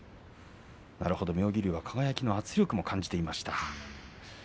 妙義龍は輝の圧力を感じていました。